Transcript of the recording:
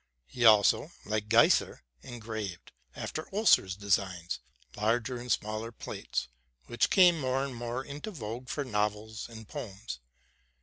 He also, like Geyser, engraved, after Oeser's designs, larger and smaller plates, which came more and more into vogue for novels and poems.